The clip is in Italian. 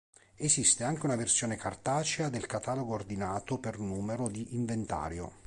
Esiste anche una versione cartacea del catalogo ordinato per numero di inventario.